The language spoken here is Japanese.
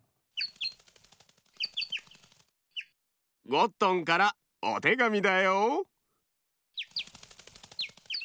ゴットンからおてがみだよ。